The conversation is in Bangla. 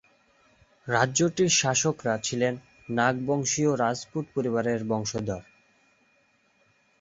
রাজ্যটির শাসকরা ছিলেন নাগবংশীয় রাজপুত পরিবারের বংশধর।